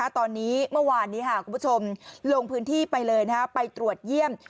ตอนนี้เมื่อวานลงพื้นที่ไปเลยไปตรวจเยี่ยม